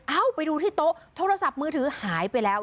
ไปดูที่โต๊ะโทรศัพท์มือถือหายไปแล้ว